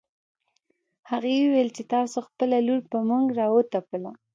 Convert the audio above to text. هغې ويل چې تاسو خپله لور په موږ راوتپله